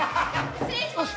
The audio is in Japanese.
失礼します。